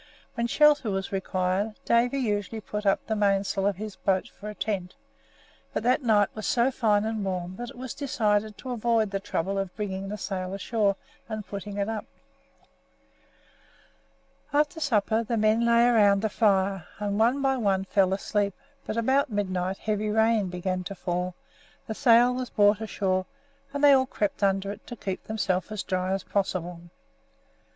When shelter was required, Davy usually put up the mainsail of his boat for a tent; but that night was so fine and warm that it was decided to avoid the trouble of bringing the sail ashore and putting it up. After supper the men lay around the fire, and one by one fell asleep; but about midnight heavy rain began to fall, the sail was brought ashore, and they all crept under it to keep themselves as dry as possible.